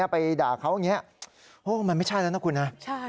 ไปด่าเขาอย่างนี้มันไม่ใช่แล้วนะคุณนะ